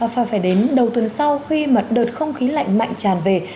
và phải đến đầu tuần sau khi mà đợt không khí lạnh mạnh tràn về